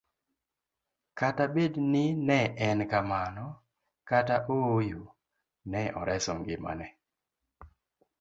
Kata bed ni ne en kamano kata ooyo, ne oreso ngimane